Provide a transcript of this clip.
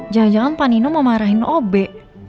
jangan jangan pak nino mau marahin obe